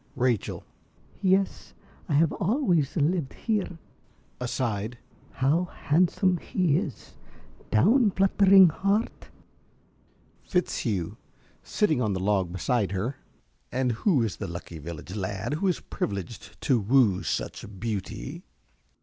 ~Rachel.~ Yes, I have always lived here. (Aside.) How handsome he is. Down, fluttering heart. ~Fitzhugh~ (sitting on the log beside her). And who is the lucky village lad who is privileged to woo such beauty?